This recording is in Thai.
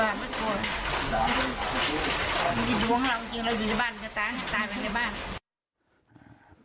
มันมีดวงเราจริงเราอยู่ในบ้านจะตายให้ตายไปในบ้าน